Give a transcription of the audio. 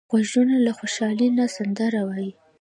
غوږونه له خوشحالۍ نه سندره وايي